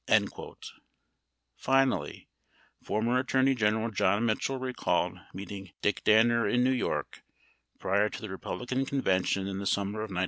56 Finally, former Attorney General John Mitchell recalled meeting Dick Danner in New York prior to the Republican Convention in the summer of 1968.